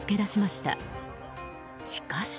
しかし。